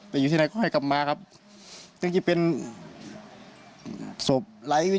ไปอยู่ที่ไหนก็ให้กลับมาครับ